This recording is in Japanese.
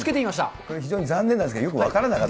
これ、非常に残念なんですけどよく分からなかった。